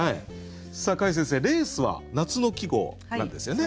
櫂先生「レース」は夏の季語なんですよね。